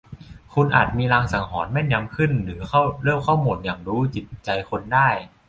คุณอาจมีลางสังหรณ์แม่นยำขึ้นหรือเริ่มเข้าโหมดหยั่งรู้จิตใจคนได้